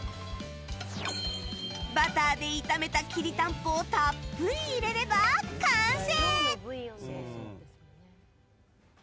バターで炒めたきりたんぽをたっぷり入れれば完成。